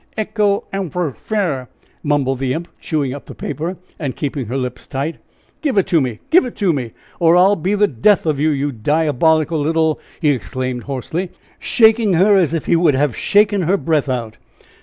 "'Echo anfers fere?'" mumbled the imp, chewing up the paper, and keeping her lips tight. "Give it me! give it me! or I'll be the death of you, you diabolical little !" he exclaimed, hoarsely, shaking her as if he would have shaken her breath out.